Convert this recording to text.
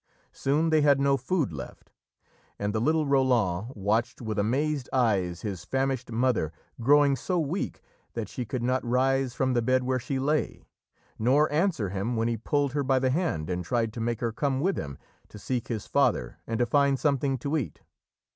Soon they had no food left, and the little Roland watched with amazed eyes his famished mother growing so weak that she could not rise from the bed where she lay, nor answer him when he pulled her by the hand and tried to make her come with him to seek his father and to find something to eat.